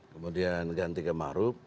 kemudian ganti ke maruf